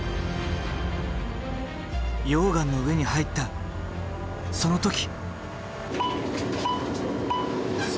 溶岩の上に入ったその時！